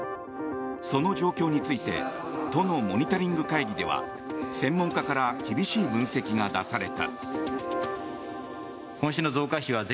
その状況について都のモニタリング会議では専門家から厳しい分析が出された。